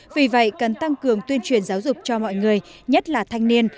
vì vậy cần tăng cường tuyên truyền giáo dục cho mọi người nhất là thanh niên